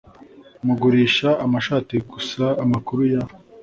mugurisha amashati Gusa amakuru ya